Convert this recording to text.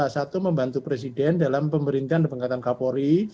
satu membantu presiden dalam pemerintahan dan pengangkatan kapolri